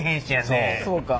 そうか。